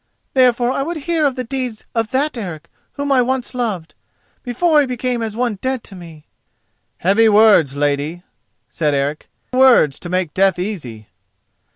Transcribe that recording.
Therefore I would hear of the deeds of that Eric whom once I loved, before he became as one dead to me." "Heavy words, lady," said Eric—"words to make death easy."